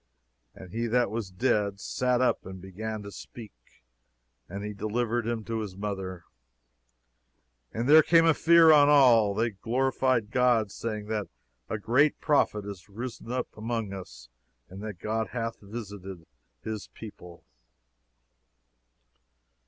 "And he that was dead sat up, and began to speak. And he delivered him to his mother. "And there came a fear on all. And they glorified God, saying, That a great prophet is risen up among us; and That God hath visited his people."